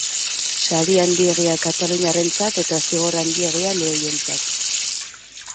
Sari handiegia kataluniarrentzat, eta zigor handiegia lehoientzat.